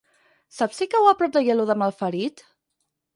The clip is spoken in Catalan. Saps si cau a prop d'Aielo de Malferit?